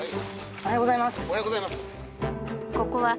おはようございます。